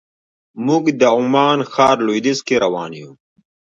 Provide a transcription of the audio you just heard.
موږ د عمان ښار لویدیځ کې روان یو.